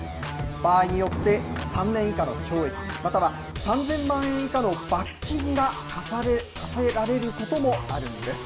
場合によって、３年以下の懲役、または３０００万円以下の罰金が科せられることもあるんです。